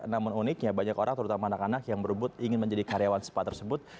namun uniknya banyak orang terutama anak anak yang berebut ingin menjadi karyawan spa tersebut